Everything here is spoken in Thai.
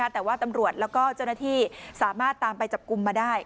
แต่ว่าตำรวจแล้วก็เจ้าหน้าที่สามารถตามไปจับกลุ่มมาได้